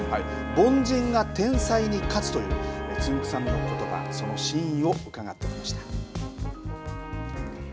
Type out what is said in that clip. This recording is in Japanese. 凡人が天才に勝つというつんく♂さんのことばその真意を伺ってきました。